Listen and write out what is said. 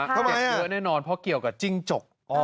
เขาบอกเยอะแน่นอนเพราะเกี่ยวกับจิ้งจก